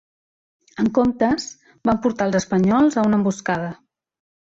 En comptes, van portar als espanyols a una emboscada.